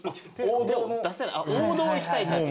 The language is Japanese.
王道をいきたいタイプ。